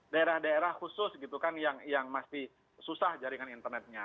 daerah daerah khusus gitu kan yang masih susah jaringan internetnya